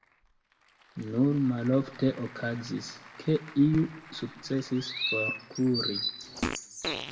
Nur malofte okazis, ke iu sukcesis forkuri.